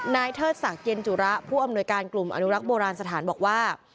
เทิดศักดิ์เย็นจุระผู้อำนวยการกลุ่มอนุรักษ์โบราณสถานบอกว่า